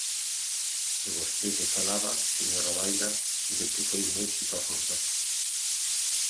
E vostede falaba, señora Daira, de que foi un éxito a folga.